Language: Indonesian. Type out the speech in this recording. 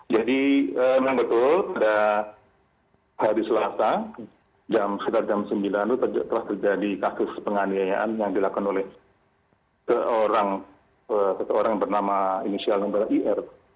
jadi memang betul pada hari selasa setelah jam sembilan itu telah terjadi kasus penganiayaan yang dilakukan oleh seorang yang bernama inisial nomor ir